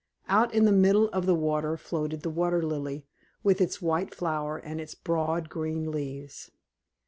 Out in the middle of the water floated the Water Lily, with its white flower and its broad green leaves.